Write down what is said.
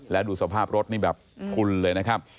แล้วดูสภาพรถนี่แบบพลุนเลยนะครับ